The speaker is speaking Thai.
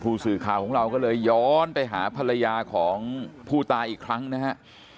ผู้สื่อข่าวของเราก็เลยย้อนไปหาภรรยาของผู้ตายอีกครั้งนะฮะ